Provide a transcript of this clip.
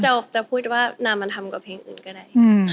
ใช่ก็จะพูดว่านานมันทำกว่าเพลงอื่นก็ได้